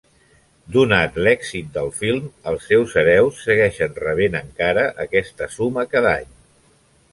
Donat l'èxit del film, els seus hereus segueixen rebent encara aquesta suma cada any.